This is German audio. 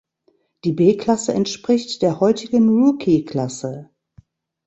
Die B-Klasse entspricht der heutigen Rookie-Klasse.